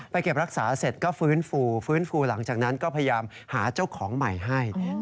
เก็บรักษาเสร็จก็ฟื้นฟูฟื้นฟูหลังจากนั้นก็พยายามหาเจ้าของใหม่ให้